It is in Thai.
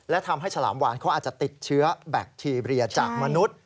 และทำให้ฉลามวานเขาอาจจะติดเชื้อแบคทีเรียจากมนุษย์